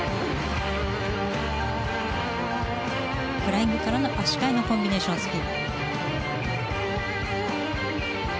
フライングからの足換えのコンビネーションスピン。